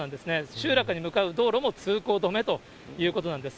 集落に向かう道路も通行止めということなんです。